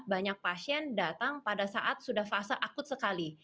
banyak pasien datang pada saat sudah fase akut sekali